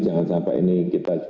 jangan sampai ini kita